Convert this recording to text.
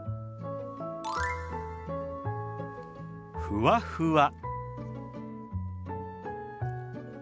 「ふわふわ」。